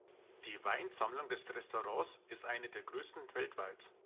Die Weinsammlung des Restaurants ist eine der größten weltweit.